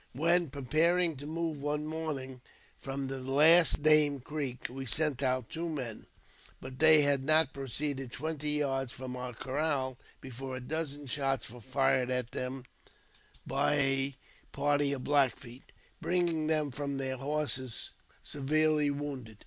When pre paring to move one morning from the last named creek, we sent out two men ; but they had not proceeded twenty yards from our corral before a dozen shots were fired at them by a 126 AUTOBIOGBAPHY OF party of Black Feet, bringing them from their horses severelj wounded.